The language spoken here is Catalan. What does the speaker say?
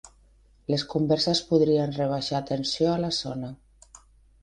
Les converses podrien rebaixar tensió a la zona